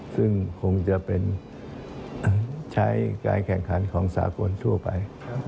ซึ่งคงจะเป็นใช้การแข่งขันของสากลทั่วไป